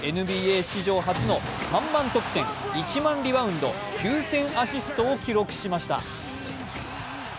ＮＢＡ史上初の３万得点、１万リバウンド、９０００アシストを記録しました。